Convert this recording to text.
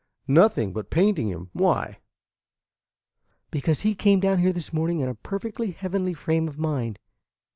Nothing but painting him. Why?" "Because he came down here this morning in a perfectly heavenly frame of mind.